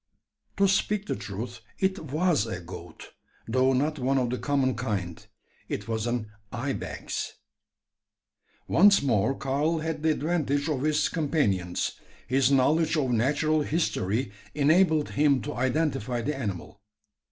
To speak the truth, it was a goat; though not one of the common kind. It was an ibex. Once more Karl had the advantage of his companions. His knowledge of natural history enabled him to identify the animal.